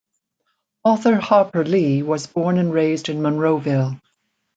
Author Harper Lee was born and raised in Monroeville.